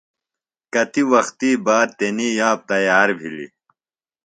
کتیۡ وختیۡ باد تنی یاب تیار بِھلیۡ۔